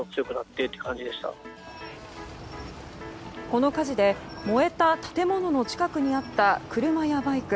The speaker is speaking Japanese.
この火事で燃えた建物の近くにあった車やバイク